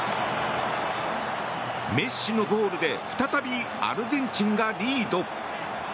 メッシのゴールで再びアルゼンチンがリード。